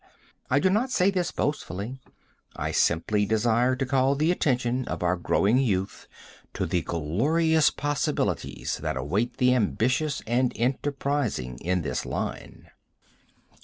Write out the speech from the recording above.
I do not say this boastfully. I simply desire to call the attention of our growing youth to the glorious possibilities that await the ambitious and enterprising in this line.